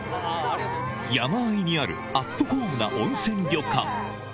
山あいにあるアットホームな温泉旅館